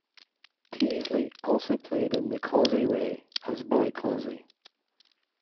Teasley also played in The Causey Way as Boy Causey.